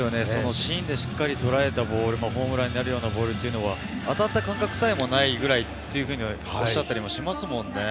芯でしっかりとらえたボールをホームランになるボールは当たった感覚さえもないぐらいとおっしゃったりしますもんね。